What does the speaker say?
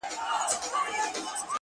زما د زړه داغونه نه جوړيږي